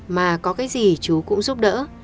mà có cái gì chú cũng giúp đỡ